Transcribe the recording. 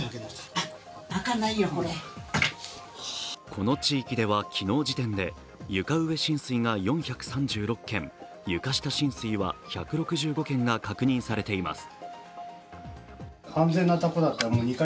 この地域では昨日時点で床上浸水が４６件床下浸水は１６５軒が確認されています。